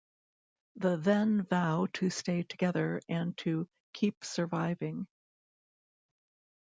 The then vow to stay together and to "keep surviving".